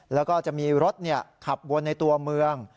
แล้วก็จะมีรถขับวนในตัวเมือง